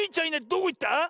どこいった？